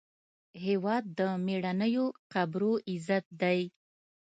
هېواد د میړنیو قبرو عزت دی.